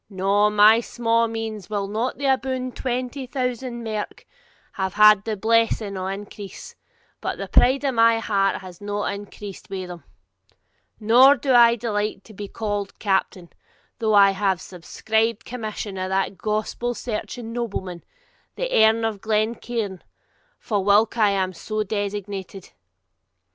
No; my sma' means, whilk are not aboon twenty thousand merk, have had the blessing of increase, but the pride of my heart has not increased with them; nor do I delight to be called captain, though I have the subscribed commission of that gospel searching nobleman, the Earl of Glencairn, fa whilk I am so designated.